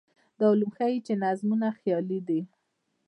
دا علوم ښيي چې نظمونه خیالي دي.